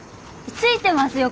ついてますよ